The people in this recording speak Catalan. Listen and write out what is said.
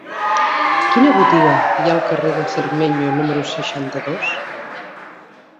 Quina botiga hi ha al carrer de Cermeño número seixanta-dos?